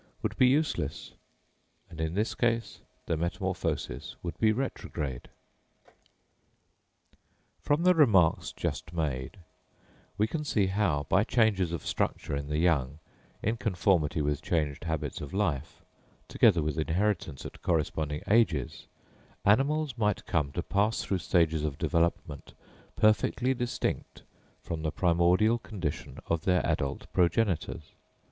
would be useless; and in this case the metamorphosis would be retrograde. From the remarks just made we can see how by changes of structure in the young, in conformity with changed habits of life, together with inheritance at corresponding ages, animals might come to pass through stages of development, perfectly distinct from the primordial condition of their adult progenitors.